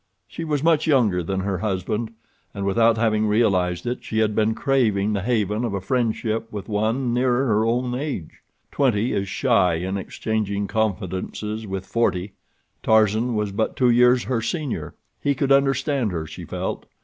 She was much younger than her husband, and without having realized it she had been craving the haven of a friendship with one nearer her own age. Twenty is shy in exchanging confidences with forty. Tarzan was but two years her senior. He could understand her, she felt.